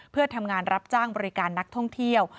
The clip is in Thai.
เพื่อทำงานรับจ้างบริการนักท่องเที่ยว